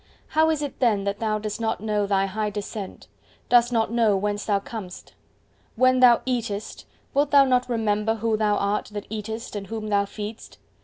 How is it then that thou dost not know thy high descent—dost not know whence thou comest? When thou eatest, wilt thou not remember who thou art that eatest and whom thou feedest?